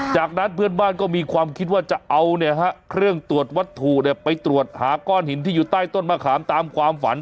จากนั้นเพื่อนบ้านก็มีความคิดว่าจะเอาเครื่องตรวจวัตถุไปตรวจหาก้อนหินที่อยู่ใต้ต้นมะขามตามความฝัน